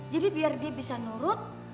biar dia bisa nurut